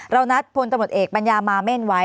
เรานัดพลตมรัฐแอบปัญญามมาเม่นไว้